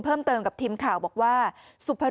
มีการฆ่ากันห้วย